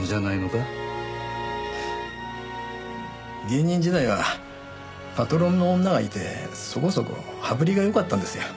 芸人時代はパトロンの女がいてそこそこ羽振りが良かったんですよ。